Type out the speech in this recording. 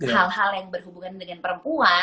hal hal yang berhubungan dengan perempuan